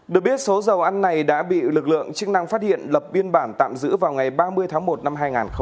được biết số dầu ăn này đã bị lực lượng chức năng phát hiện lập biên bản tạm giữ vào ngày ba mươi tháng một năm hai nghìn hai mươi